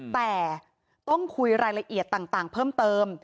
แต่ต้องคุยรายละเอียดต่างเพิ่มเติม